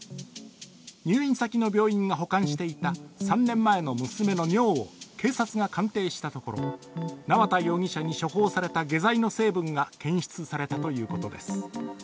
入院先の病院が保管していた３年前の娘の尿を警察が鑑定したところ縄田容疑者に処方された下剤の成分が検出されたということです。